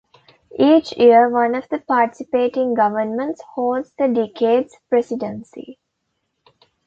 Each year, one of the participating governments holds the Decade's Presidency.